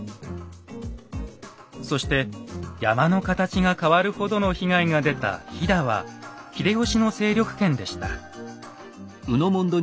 そして山の形が変わるほどの被害が出た飛騨は秀吉の勢力圏でした。